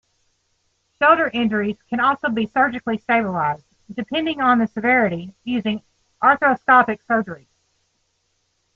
Shoulder injuries can also be surgically stabilized, depending on the severity, using arthroscopic surgery.